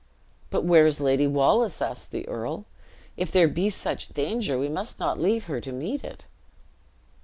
"But where is Lady Wallace?" asked the earl; "if there be such danger we must not leave her to meet it."